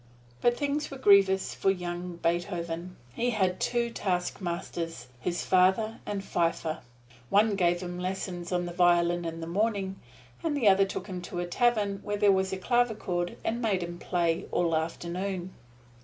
But things were grievous for young Beethoven: he had two taskmasters, his father and Pfeiffer. One gave him lessons on the violin in the morning, and the other took him to a tavern where there was a clavichord and made him play all the afternoon.